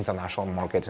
team di belakangnya